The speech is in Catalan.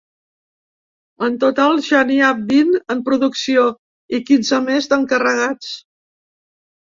En total ja n’hi ha vint en producció i quinze més d’encarregats.